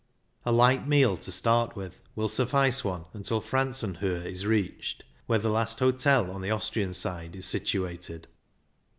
A light meal to start with will suffice one until Franzenl^ohe is reached, where the last hotel on the Austrian side is situated.